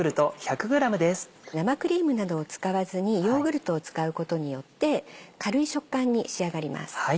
生クリームなどを使わずにヨーグルトを使うことによって軽い食感に仕上がります。